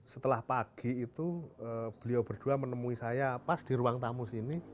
setelah pagi itu beliau berdua menemui saya pas di ruang tamu sini